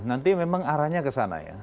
nanti memang arahnya ke sana ya